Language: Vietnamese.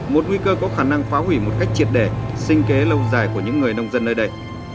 một nguy cơ có khả năng phá hủy một cách triệt đề sinh kế lâu dài của những người nông dân nơi đây